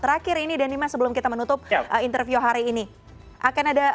terakhir ini dani mas sebelum kita menutup interview hari ini akan ada rake di hari sabtu dan juga minggu